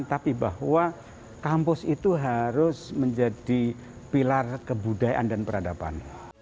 tapi bahwa kampus itu harus menjadi pilar kebudayaan dan peradaban